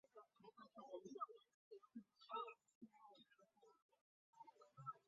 建武是日本的年号之一。